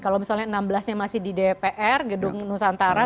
kalau misalnya enam belas nya masih di dpr gedung nusantara